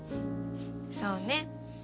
そうね。